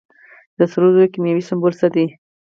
د سرو زرو کیمیاوي سمبول څه دی.